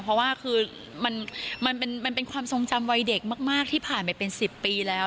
เพราะว่าคือมันเป็นความทรงจำวัยเด็กมากที่ผ่านไปเป็น๑๐ปีแล้ว